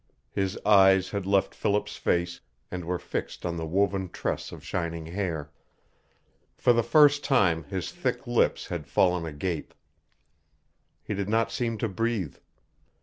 His eyes had left Philip's face and were fixed on the woven tress of shining hair. For the first time his thick lips had fallen agape. He did not seem to breathe.